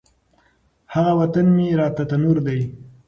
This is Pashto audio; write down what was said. هغه وطن مي راته تنور دی